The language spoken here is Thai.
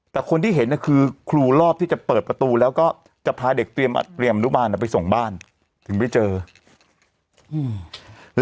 แต่คนที่เห็นน่ะคือครูรอบที่จะเปิดประตูแล้วก็จะพาเด็กเตรียมอัดเรียมอนุบาลอ่ะไปส่งบ้านถึงไปเจออืม